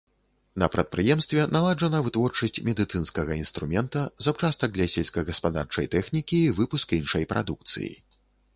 На прадпрыемстве наладжана вытворчасць медыцынскага інструмента, запчастак для сельскагаспадарчай тэхнікі і выпуск іншай прадукцыі.